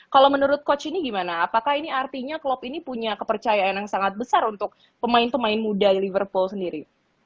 kalau menurut coach ini gimana apakah ini artinya klub ini punya kepercayaan yang sangat besar untuk pemain pemain muda di liverpool sendiri